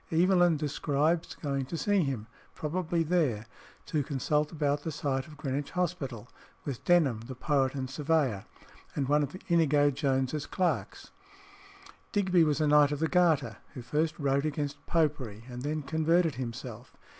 Evelyn describes going to see him (probably there), to consult about the site of Greenwich Hospital, with Denham the poet and surveyor, and one of Inigo Jones's clerks. Digby was a Knight of the Garter, who first wrote against Popery and then converted himself.